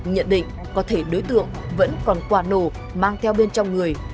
nhận định có thể đối tượng vẫn còn quả nổ mang theo bên trong người